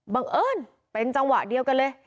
บังเอิญเป็นจังหวะเดียวกันเลย